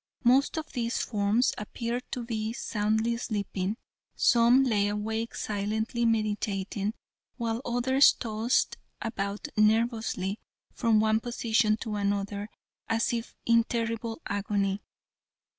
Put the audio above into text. Most of these forms appeared to be soundly sleeping, some lay awake silently meditating, while others tossed about nervously from one position to another as if in terrible agony.